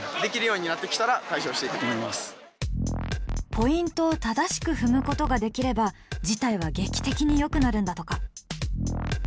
ポイントを正しく踏むことができれば事態は劇的によくなるんだとか。